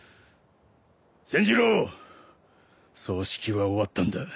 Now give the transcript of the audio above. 千寿郎葬式は終わったんだ。